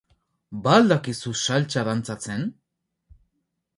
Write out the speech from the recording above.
Ba al dakizu saltsa dantzatzen?